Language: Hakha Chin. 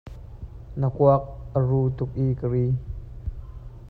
Na kuak a ru tuk i ka ri.